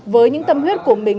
với những tâm huyết của mình